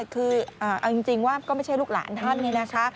คือเอาจริงว่าก็ไม่ใช่ลูกหลานท่านเนี่ยนะคะ